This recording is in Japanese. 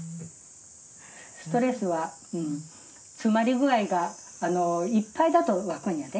ストレスは詰まり具合がいっぱいだとわくんやで。